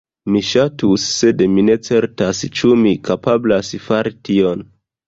Mi ŝatus, sed mi ne certas ĉu mi kapablas fari tion.